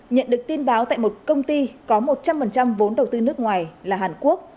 nhận được tin báo tại một công ty có một trăm linh vốn đầu tư nước ngoài là hàn quốc